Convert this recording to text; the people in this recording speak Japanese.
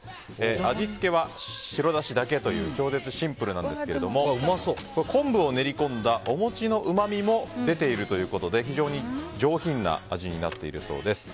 味付けは白だしだけという超絶シンプルなんですが昆布を練りこんだお餅のうまみも出ているということで非常に上品な味になっているそうです。